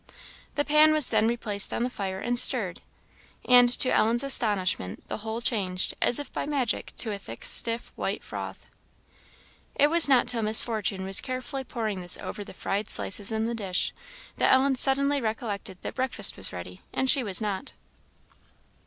The pan was then replaced on the fire and stirred; and, to Ellen's astonishment, the whole changed, as if by magic, to a thick, stiff, white froth. It was not till Miss Fortune was carefully pouring this over the fried slices in the dish, that Ellen suddenly recollected that breakfast was ready, and she was not.